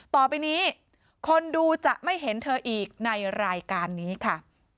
ต่อไปนี้คนดูจะไม่เห็นเธออีกในรายการนี้ค่ะ